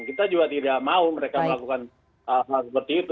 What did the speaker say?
kita juga tidak mau mereka melakukan hal seperti itu